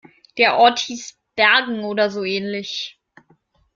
Der Ort hieß Bergen oder so ähnlich.